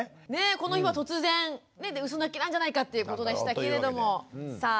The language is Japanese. この日は突然うそ泣きなんじゃないかっていうことでしたけれどもさあ